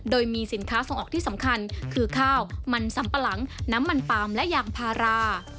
โดยมีสินค้าส่งออกที่สำคัญคือข้าวมันสำปะหลังน้ำมันปาล์มและยางพารา